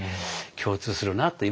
共通するなって。